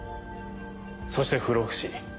そして不老不死。